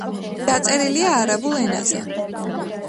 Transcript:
დაწერილია არაბულ ენაზე.